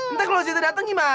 entah kalo siapa dateng gimana